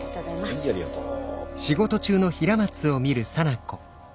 はいありがとう。